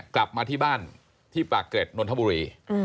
กลับมาที่บ้านที่ปากเกร็ดนนทบุรี